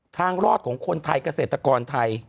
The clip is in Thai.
ทางรอดของคนไทยเกษตรกรไทย